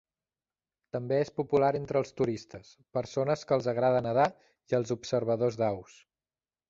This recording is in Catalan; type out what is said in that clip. També és popular entre els turistes, persones que els agrada nedar i els observadors d'aus.